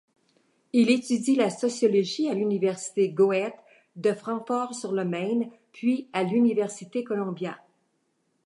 Il étudie la sociologie à l'Université Goethe de Francfort-sur-le-Main puis à l'Université Columbia.